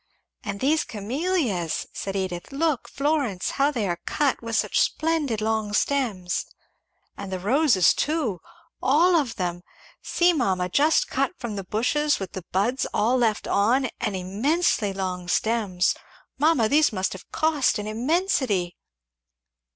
"And these Camellias," said Edith, "look, Florence, how they are cut with such splendid long stems." "And the roses too all of them see mamma, just cut from the bushes with the buds all left on, and immensely long stems Mamma, these must have cost an immensity!